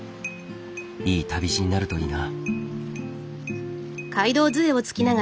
いい旅路になるといいな。